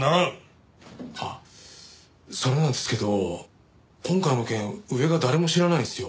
あっそれなんですけど今回の件上が誰も知らないんですよ。